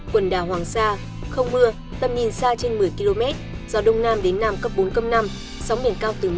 quần đảo hoàng sa không mưa tầm nhìn xa trên một mươi km gió đông nam đến nam cấp bốn năm sóng biển cao từ một hai m